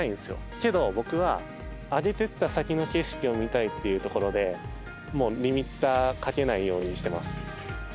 けど僕は、上げてった先の景色を見たいというところでリミッターをかけないようにしています。